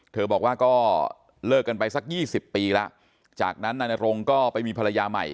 บอกว่าก็เลิกกันไปสัก๒๐ปีแล้วจากนั้นนายนรงก็ไปมีภรรยาใหม่